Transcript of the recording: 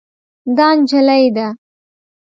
دا نجله ده.